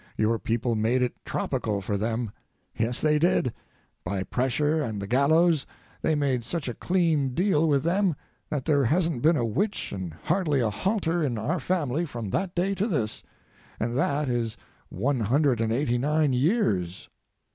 Your people made it tropical for them. Yes, they did; by pressure and the gallows they made such a clean deal with them that there hasn't been a witch and hardly a halter in our family from that day to this, and that is one hundred and eighty nine years.